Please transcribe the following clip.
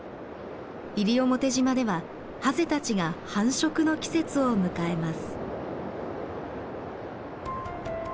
西表島ではハゼたちが繁殖の季節を迎えます。